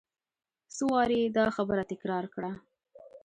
څو وارې یې دا خبره تکرار کړه.